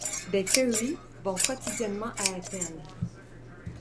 Des ferries vont quotidiennement à Athènes.